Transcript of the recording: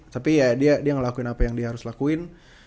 tapi ya dia ngelakuin apa yang dia harus lakuin